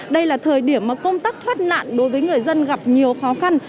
đây là thời điểm mà công tác thoát nạn đối với người dân gặp nhiều khó khăn